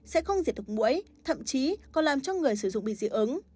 sẽ không diệt được mũi thậm chí còn làm cho người sử dụng bị dị ứng